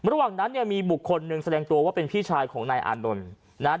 ระหว่างนั้นเนี่ยมีบุคคลหนึ่งแสดงตัวว่าเป็นพี่ชายของนายอานนท์นะฮะ